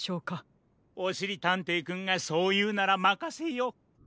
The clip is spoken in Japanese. おしりたんていくんがそういうならまかせよう。